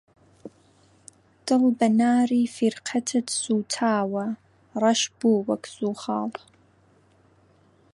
دڵ بە ناری فیرقەتت سووتاوە، ڕەش بوو وەک زوخاڵ